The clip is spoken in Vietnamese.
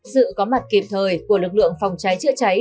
sự có mặt kịp thời của lực lượng phòng cháy chữa cháy